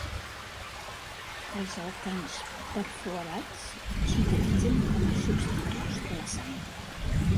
Els alcans perfluorats s'utilitzen com a substituts de la sang.